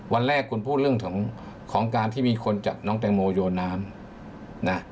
วันแรกคุณพูดเรื่องของการที่มีคนจับน้องแตงโมโยนน้ำนะ